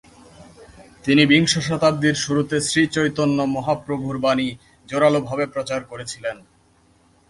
তিনি বিংশ শতাব্দীর শুরুতে শ্রীচৈতন্য মহাপ্রভুর বাণী জোরালোভাবে প্রচার করেছিলেন।